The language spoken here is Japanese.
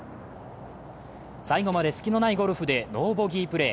最後まで隙のないゴルフでノーボギープレー。